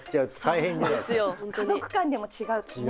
家族間でも違うしね。